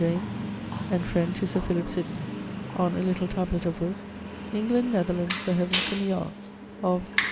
James, and friend to Sir Philip Sydney.' On a little tablet of wood: 'England, Netherlands, the Heavens and the Arts Of